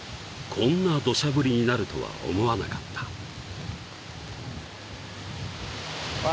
こんなどしゃ降りになるとは思わなかったわ！